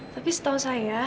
tapi setahu saya